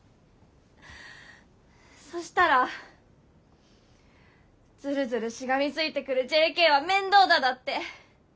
そしたら「ずるずるしがみついてくるＪＫは面倒だ」だって。